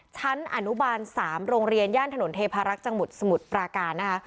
ชั้นอนุบาล๓โรงเรียนย่านถนนเทพารักษ์จังหวัดสมุทรปราการนะคะ